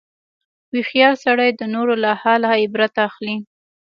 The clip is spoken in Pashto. هوښیار سړی د نورو له حاله عبرت اخلي.